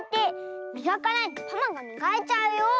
みがかないとパマがみがいちゃうよ！